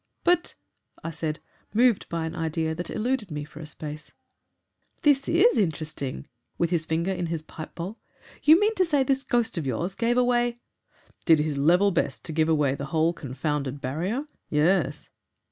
"But " I said, moved by an idea that eluded me for a space. "This is interesting," said Sanderson, with his finger in his pipe bowl. "You mean to say this ghost of yours gave away " "Did his level best to give away the whole confounded barrier? YES."